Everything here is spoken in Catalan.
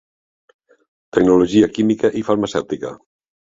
Tecnologia química i farmacèutica.